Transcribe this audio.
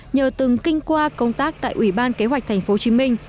nhờ từng kinh qua công tác tại ủy ban kế hoạch thành phố hồ chí minh